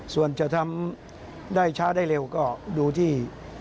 ส่วนจะทำได้ช้าได้เร็วก็ดูที่